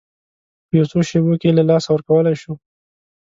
په یو څو شېبو کې یې له لاسه ورکولی شو.